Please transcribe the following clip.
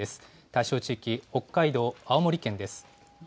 対象地域、北海道、青森県です。